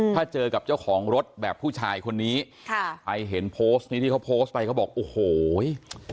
ถ้าเจอกับเจ้าของรถแบบผู้ชายคนนี้ค่ะใครเห็นโพสต์นี้ที่เขาโพสต์ไปเขาบอกโอ้โห